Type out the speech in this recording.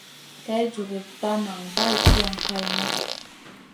Kay juruda ta nan bah tuwan hayna.